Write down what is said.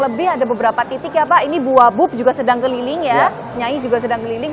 lebih ada beberapa titik ya pak ini buah bub juga sedang keliling ya nyanyi juga sedang keliling